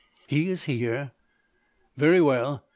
"He is here." "Very well.